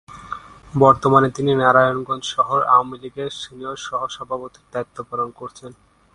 বর্তমানে তিনি নারায়ণগঞ্জ শহর আওয়ামী লীগের সিনিয়র সহ-সভাপতির দায়িত্ব পালন করছেন।